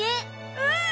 うん！